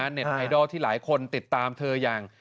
เน็ตไอดอลที่หลายคนติดตามเธออย่าง